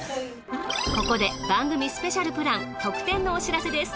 ここで番組スペシャルプラン特典のお知らせです。